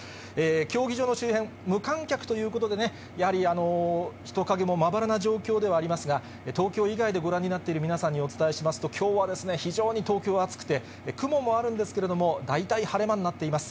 競技場の周辺、無観客ということで、やはり人影もまばらな状況ではありますが、東京以外でご覧になっている皆さんにお伝えしますと、きょうは非常に東京は暑くて、雲もあるんですけれども、大体晴れ間になっています。